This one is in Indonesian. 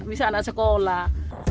bisa anak sekolah